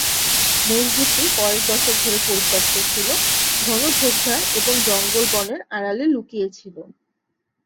মসজিদটি কয়েক দশক ধরে পরিত্যক্ত ছিল, ঘন ঝোপঝাড় এবং জঙ্গল বনের আড়ালে লুকিয়ে ছিল।